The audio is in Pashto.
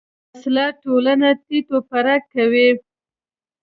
وسله ټولنه تیت و پرک کوي